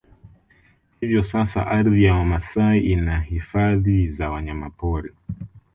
Hivyo sasa ardhi ya Wamasai ina Hifadhi za Wanyamapori